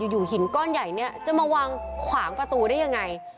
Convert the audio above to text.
อยู่หินก้อนใหญ่เนี่ยจะมาวางขวางประตูได้ยังไง